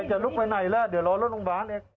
เอ๊กป้าจะลุกไปไหนล่ะเดี๋ยวเราลดลงบ้าน